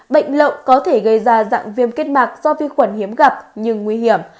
bệnh lộn có thể gây ra dạng viêm kết mạc do vi khuẩn hiếm gặp nhưng nguy hiểm